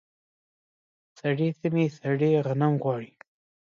سړې سیمې سړې غنم غواړي.